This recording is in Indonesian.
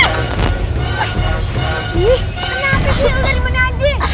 iih kenapa sih lu ke dimana aja